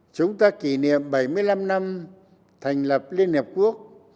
chúng ta kỷ niệm bảy mươi năm năm thành lập liên hiệp quốc